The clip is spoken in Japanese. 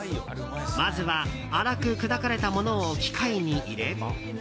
まずは粗く砕かれたものを機械に入れ。